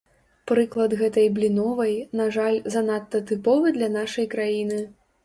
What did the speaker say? Прыклад гэтай бліновай, на жаль, занадта тыповы для нашай краіны.